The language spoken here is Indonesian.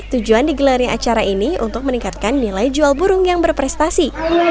tujuan digelarnya acara ini untuk meningkatkan nilai jual burung yang berprestasi